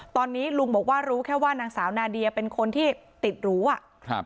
ตอนนี้ลุงบอกว่ารู้แค่ว่านางสาวนาเดียเป็นคนที่ติดหรูอ่ะครับ